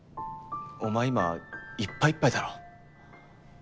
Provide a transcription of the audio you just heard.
お前今いっぱいいっぱいだろ？